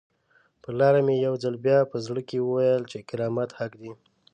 پر لاره مې یو ځل بیا په زړه کې وویل چې کرامت حق دی.